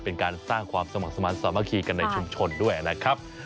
เป็นการสร้างความสมัครสมาธิสามัคคีกันในชุมชนด้วยนะครับ